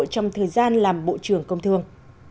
trong thời gian làm bộ trưởng công thương